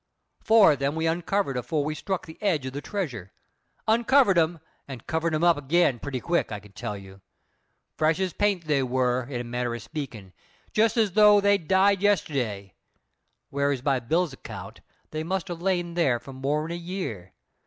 Four of them we uncovered afore we struck the edge of the treasure uncovered 'em and covered 'em up again pretty quick, I can tell you. Fresh as paint they were, in a manner o' speaking, just as though they'd died yesterday; whereas by Bill's account they must ha' lain there for more'n a year.